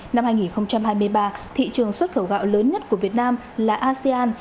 năm hai nghìn hai mươi ba thị trường xuất khẩu gạo lớn nhất của việt nam là asean